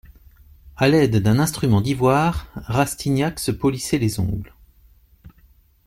A l'aide d'un instrument d'ivoire, Rastignac se polissait les ongles.